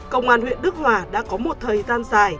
công an huyện đức hòa đã có một thời gian dài